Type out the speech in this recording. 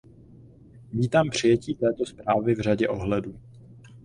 Vítám přijetí této zprávy v řadě ohledů.